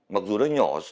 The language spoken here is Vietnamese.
mặc dù nó nhỏ